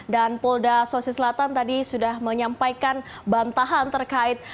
dan polda sosial selatan tadi sudah menyampaikan bantahan terkait